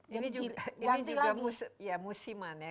ini juga musiman ya